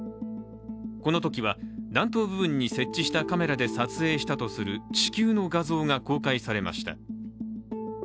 このときは弾頭部分に設置したカメラで撮影したとする地球の画像が公開されました。